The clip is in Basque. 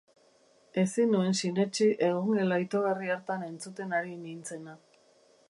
Ezin nuen sinetsi egongela itogarri hartan entzuten ari nintzena.